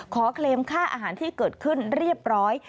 เคลมค่าอาหารที่เกิดขึ้นเรียบร้อย